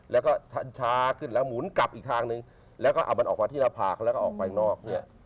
แล้วก็ช้าขึ้นแล้วหมุนกลับอีกทางนึงแล้วก็เอามันออกมาที่หน้าผากแล้วก็ออกไปข้างนอกเนี่ย